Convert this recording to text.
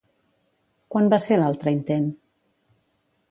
Quan va ser l'altre intent?